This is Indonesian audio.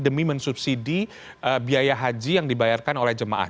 demi mensubsidi biaya haji yang dibayarkan oleh jemaah